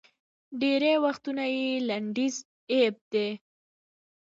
ډېری وختونه یې لنډیز اېب دی